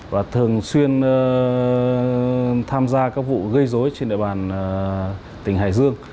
và thường xuyên tham gia các vụ gây dối trên địa bàn tỉnh hải dương